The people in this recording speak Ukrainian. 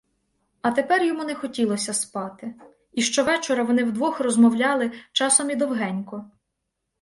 А тепер йому не хотілося спати, і щовечора вони вдвох розмовляли, часом і довгенько.